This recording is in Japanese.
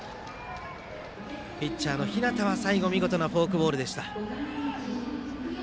ピッチャーの日當は、最後見事なフォークボールでした。